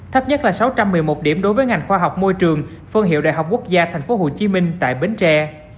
thấp nhất là sáu trăm một mươi một điểm đối với ngành khoa học môi trường phân hiệu đại học quốc gia tp hcm tại bến tre